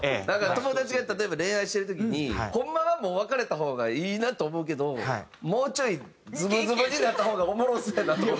友達が例えば恋愛してる時にホンマはもう別れた方がいいなと思うけどもうちょいズブズブになった方がおもろそうやなと思ったら。